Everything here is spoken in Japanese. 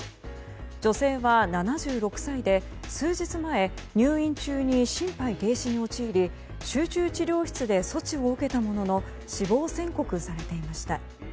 女性は７６歳で、数日前入院中に心肺停止に陥り集中治療室で措置を受けたものの死亡宣告されていました。